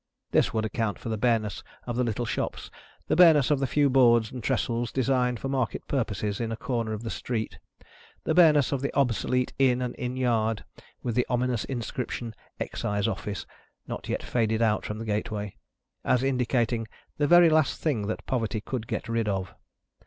This would account for the bareness of the little shops, the bareness of the few boards and trestles designed for market purposes in a corner of the street, the bareness of the obsolete Inn and Inn Yard, with the ominous inscription "Excise Office" not yet faded out from the gateway, as indicating the very last thing that poverty could get rid of.